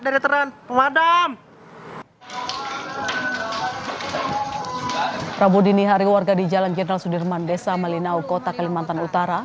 direkturan pemadam rabu dini hari warga di jalan jenderal sudirman desa malinau kota kalimantan utara